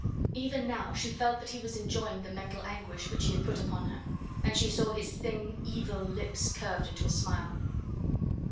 Even now she felt that he was enjoying the mental anguish which he had put upon her, and she saw his thin, evil lips curled into a smile.